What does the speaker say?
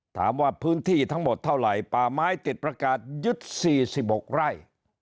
ถามว่าพื้นที่ทั้งหมดเท่าไหร่ป่าไม้ติดประกาศยึด๔๖ไร่